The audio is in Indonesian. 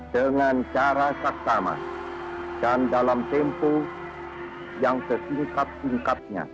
dengan cara saktama dan dalam tempu yang sesingkat